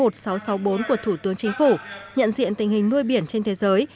đề án một nghìn sáu trăm sáu mươi bốn của thủ tướng chính phủ nhận diện tình hình nuôi biển trên thế giới